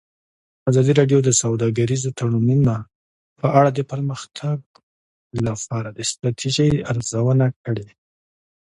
ازادي راډیو د سوداګریز تړونونه په اړه د پرمختګ لپاره د ستراتیژۍ ارزونه کړې.